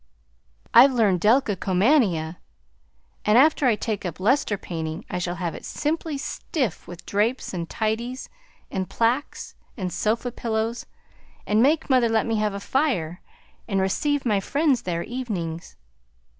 I've learned decalcomania, and after I take up lustre painting I shall have it simply stiff with drapes and tidies and placques and sofa pillows, and make mother let me have a fire, and receive my friends there evenings.